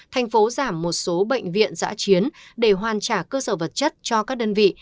thành phố giảm một số bệnh viện giã chiến để hoàn trả cơ sở vật chất cho các đơn vị